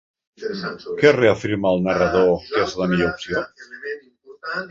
Què reafirma el narrador que és la millor opció?